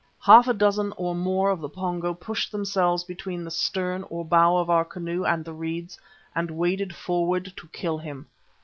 Half a dozen or more of the Pongo pushed themselves between the stern or bow of our canoe and the reeds, and waded forward to kill him.